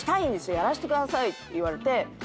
やらせてください」と言われて。